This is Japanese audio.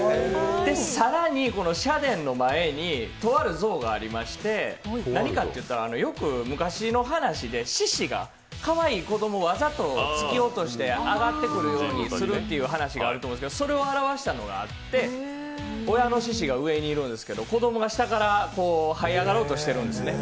更に、社殿の前にとある像がありまして、何かって言ったらよく昔の話で獅子がかわいい子供をわざと突き落として上がってくるようにするという話があると思いますけどそれを表したのがあって、親の獅子が上にいるんですけど子供が下からはい上がろうとしてるんですね。